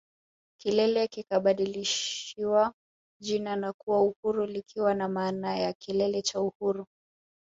Kilele kikabadilishiwa jina na kuwa Uhuru likiwa na maana ya Kilele cha Uhuru